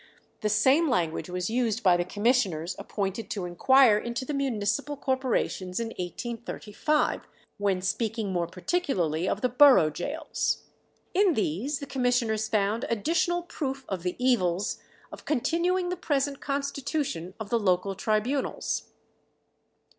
The same language was used by the commissioners appointed to inquire into the municipal corporations in 1835, when speaking more particularly of the borough gaols. In these the commissioners found "additional proof of the evils of continuing the present constitution of the local tribunals.